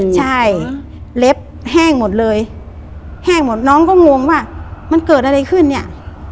ใช่เล็บแห้งหมดเลยแห้งหมดน้องก็งงว่ามันเกิดอะไรขึ้นเนี่ย